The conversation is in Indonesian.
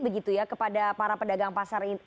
begitu ya kepada para pedagang pasar